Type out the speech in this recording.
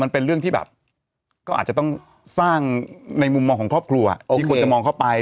มันเป็นเรื่องที่แบบก็อาจจะต้องสร้างในมุมมองของครอบครัวที่ควรจะมองเข้าไป